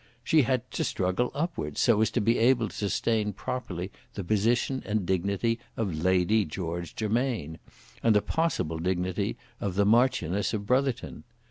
She had to struggle upwards, so as to be able to sustain properly the position and dignity of Lady George Germain, and the possible dignity of the Marchioness of Brotherton.